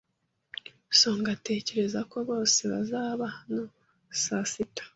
Songa atekereza ko bose bazaba hano saa sita.